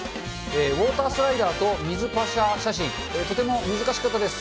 ウォータースライダーと水バシャ写真、とても難しかったです。